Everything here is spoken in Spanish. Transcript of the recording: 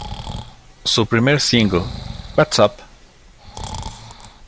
Su primer single, "What Up?